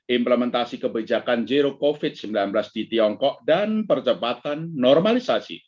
implementasi kebijakan zero covid sembilan belas di tiongkok dan percepatan normalisasi